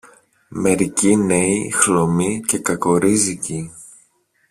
Μερικοί νέοι, χλωμοί και κακορίζικοι